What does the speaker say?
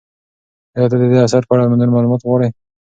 ایا ته د دې اثر په اړه نور معلومات غواړې؟